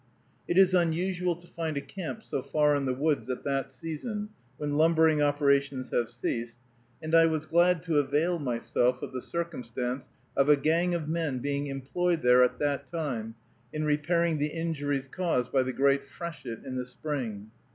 It is unusual to find a camp so far in the woods at that season, when lumbering operations have ceased, and I was glad to avail myself of the circumstance of a gang of men being employed there at that time in repairing the injuries caused by the great freshet in the spring.